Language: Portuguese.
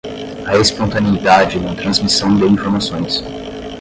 a espontaneidade na transmissão de informações